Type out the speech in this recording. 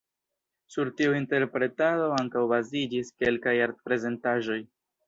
Sur tiu interpretado ankaŭ baziĝis kelkaj art-prezentaĵoj.